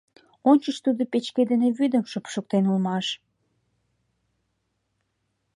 Ончыч тудо печке дене вӱдым шупшыктен улмаш.